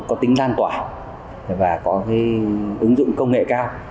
có tính lan tỏa và có ứng dụng công nghệ cao